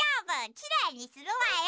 きれいにするわよ。